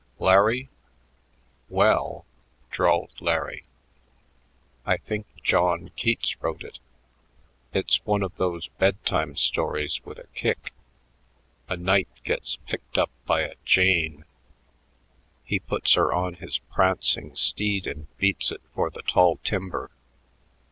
"Larry?" "Well," drawled Larry, "I think Jawn Keats wrote it. It's one of those bedtime stories with a kick. A knight gets picked up by a jane. He puts her on his prancing steed and beats it for the tall timber.